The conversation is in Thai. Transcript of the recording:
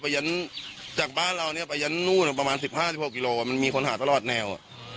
ไปยันจากบ้านเราไปยันประมาณ๑๕๑๖กิโลเมตรมีคนหาตลอดแนว